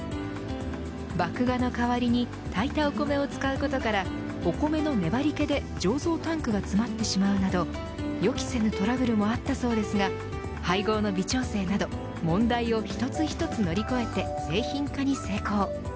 麦芽の代わりに炊いたお米を使うことからお米の粘り気で醸造タンクが詰まってしまうなど予期せぬトラブルもあったそうですが配合の微調整など問題を一つ一つ乗り越えて製品化に成功。